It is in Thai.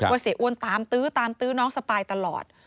เสียอ้วนตามตื้อตามตื้อน้องสปายตลอด